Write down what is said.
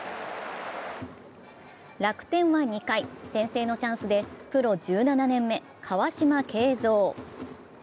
楽天は２回、先制のチャンスでプロ１７年目、川島慶三。